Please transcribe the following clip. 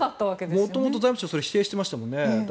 元々、財務省はそれを否定していましたよね。